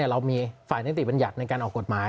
เรามีฝ่ายนิติบัญญัติในการออกกฎหมาย